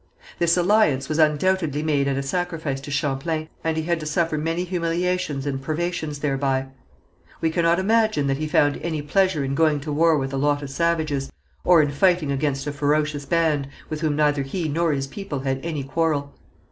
This alliance was undoubtedly made at a sacrifice to Champlain, and he had to suffer many humiliations and privations thereby. We cannot imagine that he found any pleasure in going to war with a lot of savages, or in fighting against a ferocious band, with whom neither he nor his people had any quarrel.